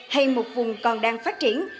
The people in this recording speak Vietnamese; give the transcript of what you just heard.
hay một vùng còn đang phát triển